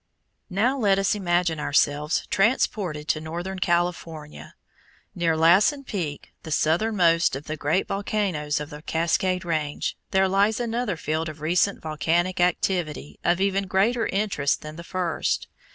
Now let us imagine ourselves transported to northern California. Near Lassen Peak, the southernmost of the great volcanoes of the Cascade Range, there lies another field of recent volcanic activity of even greater interest than the first.